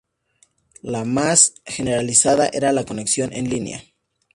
La más generalizada era la conexión en línea.